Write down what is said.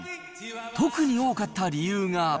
特に多かった理由が。